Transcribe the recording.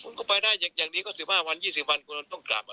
คุณก็ไปได้อย่างนี้ก็๑๕วัน๒๐วันคุณต้องกลับ